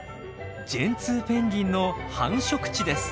ジェンツーペンギンの繁殖地です。